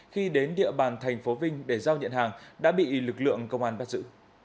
khi đến địa bàn tp vinh để giao nhận hàng đã bị lực lượng công an bắt giữ